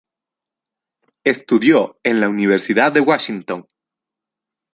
Estudió en la Universidad de Washington.